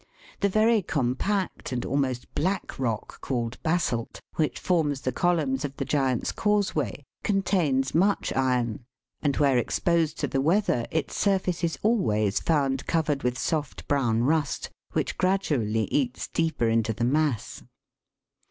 The very compact and almost black rock, called basalt, which forms the columns of the Giant's Causeway, contains much iron, and where Fig. 9. ROCK FORMATION, GIANT'S CAUSEWAY, IRELAND. exposed to the weather its surface is always found covered with soft brown rust, which gradually eats deeper into the mass (Fig.